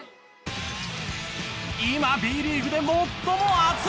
今Ｂリーグで最も熱い！